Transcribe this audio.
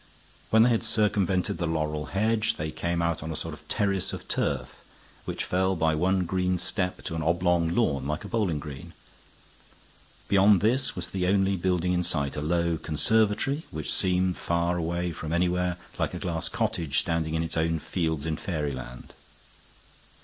When they had circumvented the laurel hedge, they came out on a sort of terrace of turf, which fell by one green step to an oblong lawn like a bowling green. Beyond this was the only building in sight, a low conservatory, which seemed far away from anywhere, like a glass cottage standing in its own fields in fairyland.